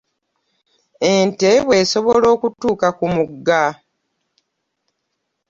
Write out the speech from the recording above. Ente bwesobola okutuuka ku mugga .